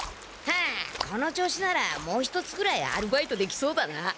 はこの調子ならもう一つくらいアルバイトできそうだな。